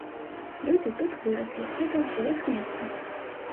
Людзі тут выраслі, гэта ўсё іх месцы.